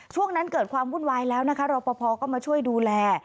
ช่วงนั้นเกิดความวุ่นวายแล้วนะคะรอปภก็มาช่วยดูแล